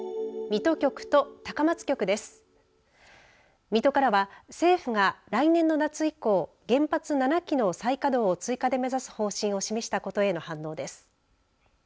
水戸からは政府が来年の夏以降、原発７基の再稼働を追加で目指したことへの反応です。